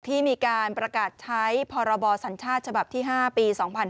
ที่มีการประกาศใช้พรศฉ๕ปี๒๕๕๕